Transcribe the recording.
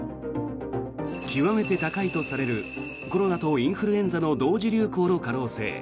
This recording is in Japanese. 極めて高いとされるコロナとインフルエンザの同時流行の可能性。